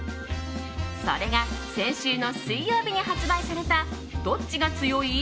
それが先週の水曜日に発売されたどっちが強い！？